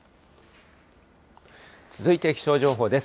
続いて気象情報です。